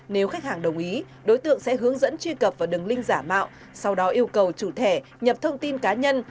nếu khách hàng đồng ý đối tượng sẽ hướng dẫn truy cập vào đường link giả mạo sau đó yêu cầu chủ thẻ nhập thông tin cá nhân